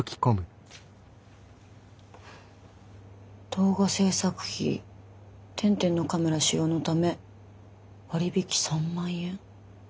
動画制作費天・天のカメラ使用のため割引３万円？